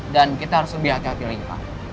dan kita harus lebih hati hati lagi pak